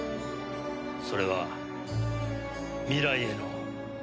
それは未来への希望だ！